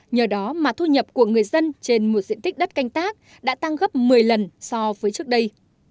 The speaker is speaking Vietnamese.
nhờ đó mà thu nhập của người dân trên một diện tích đất canh tác đã tăng gấp một mươi lần so với trước đây